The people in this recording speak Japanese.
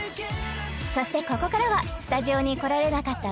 そしてここからはスタジオに来られなかったＢＵＤＤｉｉＳ